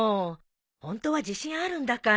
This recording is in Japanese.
ホントは自信あるんだから。